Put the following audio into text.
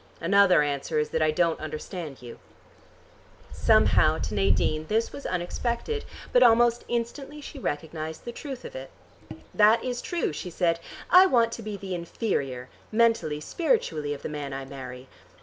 "Another answer is that I don't understand you." Somehow to Nadine this was unexpected, but almost instantly she recognized the truth of it. "That is true," she said. "I want to be the inferior, mentally, spiritually, of the man I marry.